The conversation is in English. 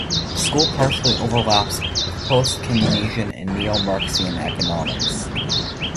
The school partially overlaps with post-Keynesian and neo-Marxian economics.